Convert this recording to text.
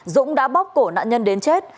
dũng đã bóc cổ nạn nhân đến chết